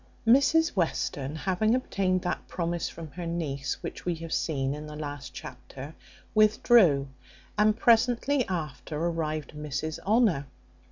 Mrs Western having obtained that promise from her niece which we have seen in the last chapter, withdrew; and presently after arrived Mrs Honour.